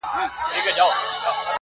ناراسته نشم په دې خيال چرته بېګار کؤمه